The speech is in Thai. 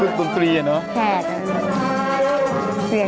มันติดคุกออกไปออกมาได้สองเดือน